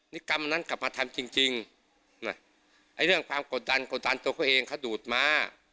นี่กรรมนั้นกลับมาทำจริงนะไอ้เรื่องความกดดันกดดันตัวเขาเองเขาดูดมา